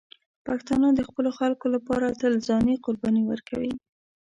پښتانه د خپلو خلکو لپاره تل ځاني قرباني ورکوي.